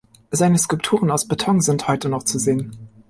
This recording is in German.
Seine Skulpturen aus Beton sind heute noch zu sehen.